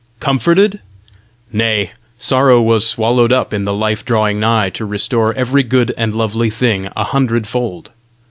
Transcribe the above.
COMFORTED? Nay; sorrow was swallowed up in the life drawing nigh to restore every good and lovely thing a hundredfold!